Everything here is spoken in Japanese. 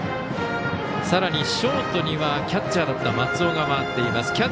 さらにショートにはキャッチャーだった松尾が回っています。